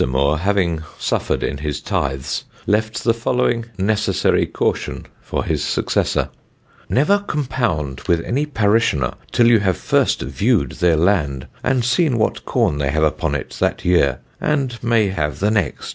Moore, having suffered in his tithes, left the following "necessary caution" for his successor: "Never compound with any parishioner till you have first viewed theire lande and seen what corne they have upon it that yeare, and may have the next."